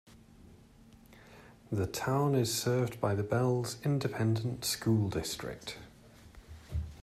The town is served by the Bells Independent School District.